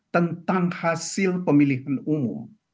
tentang hasil pemilihan umum